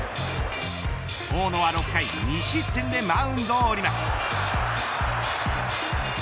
大野は６回２失点でマウンドを降ります。